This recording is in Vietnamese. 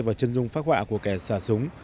và chân dung phát họa của kẻ xả súng